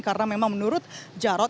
karena memang menurut jarod